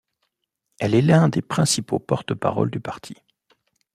Elle est l'un des principaux porte-paroles du parti.